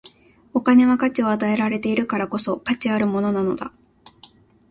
お金は価値を与えられているからこそ、価値あるものなのだ。